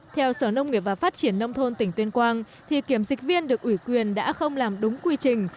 theo sở nông nghiệp và phát triển nông thôn tỉnh tuyên quang thì kiểm dịch viên được ủy quyền đã không làm đúng quy trình